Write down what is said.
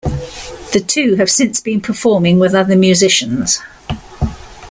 The two have since been performing with other musicians.